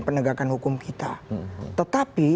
penegakan hukum kita tetapi